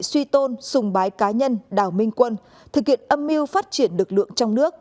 suy tôn xùng bái cá nhân đào minh quân thực hiện âm mưu phát triển lực lượng trong nước